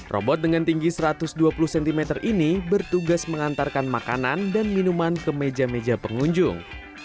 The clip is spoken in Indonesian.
robot dengan tinggi satu ratus dua puluh cm ini bertugas mengantarkan makanan dan minuman ke meja meja pengunjung